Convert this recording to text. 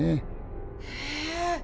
へえ！